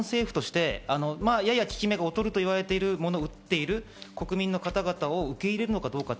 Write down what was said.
日本政府としてやや効き目が劣るという言われているものを打っている国民の方々を受け入れるのかどうか。